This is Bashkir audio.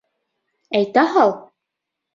Әйтә һал!